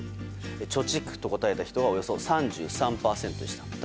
貯蓄と答えた人はおよそ３３％でした。